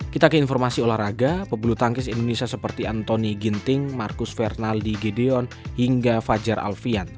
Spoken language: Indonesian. kita ke informasi olahraga pebulu tangkis indonesia seperti antoni ginting marcus fernaldi gedeon hingga fajar alfian